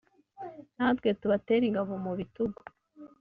Natwe tubatere ingabo mu bitugu